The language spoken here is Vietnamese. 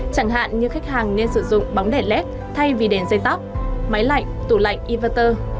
chẳng hạn như khách hàng nên sử dụng bóng đèn led thay vì đèn dây tóc máy lạnh tủ lạnh ivator